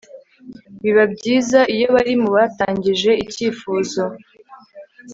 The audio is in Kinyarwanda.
biba byiza iyo bari mu batangije icyifuzo